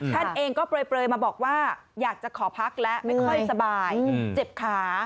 ท่านเองก็เปลยมาบอกว่าอยากจะขอพักแล้วไม่ค่อยสบายเจ็บขา